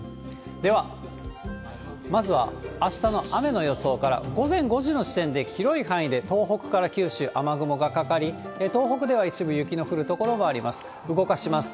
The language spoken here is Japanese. では、まずはあしたの雨の予想から、午前５時の時点で、広い範囲で東北から九州、雨雲がかかり、東北では一部雪の降る所もあります。